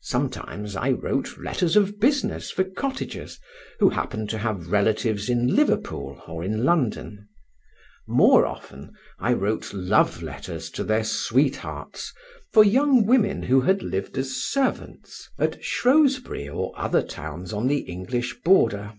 Sometimes I wrote letters of business for cottagers who happened to have relatives in Liverpool or in London; more often I wrote love letters to their sweethearts for young women who had lived as servants at Shrewsbury or other towns on the English border.